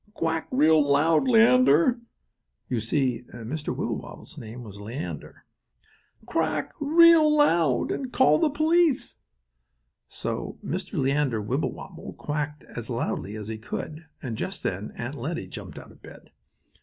"Quack real loud, Leander" (you see Mr. Wibblewobble's name was Leander). "Quack real loud, and call the police!" So Mr. Leander Wibblewobble quacked as loudly as he could, and just then Aunt Lettie jumped out of bed.